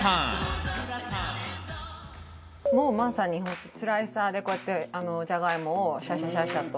「もうまさに本当スライサーでこうやってジャガイモをシャッシャシャッシャと」